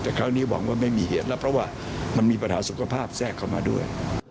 แต่คราวนี้บอกว่าไม่มีเหตุแล้วเพราะว่ามันมีปัญหาสุขภาพแทรกเข้ามาด้วย